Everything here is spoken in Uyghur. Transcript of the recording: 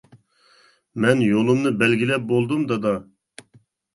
مەن يولۇمنى بەلگىلەپ بولدۇم دادا.